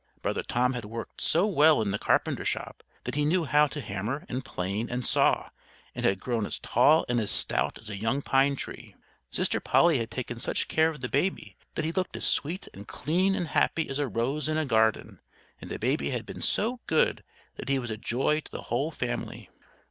Brother Tom had worked so well in the carpenter's shop, that he knew how to hammer and plane and saw, and had grown as tall and as stout as a young pine tree. Sister Polly had taken such care of the baby, that he looked as sweet and clean and happy as a rose in a garden; and the baby had been so good, that he was a joy to the whole family.